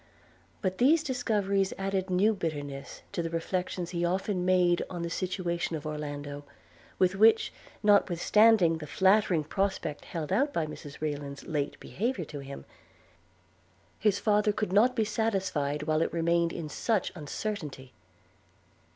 But these discoveries added new bitterness to the reflections he often made on the situation of Orlando; with which, notwithstanding the flattering prospect held out by Mrs Rayland's late behaviour to him, his father could not be satisfied while it remained in such uncertainty.